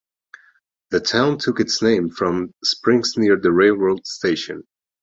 The town took its name from springs near the railroad station.